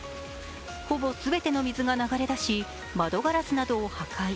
ほぼ全ての水が流れ出し、窓ガラスなどを破壊。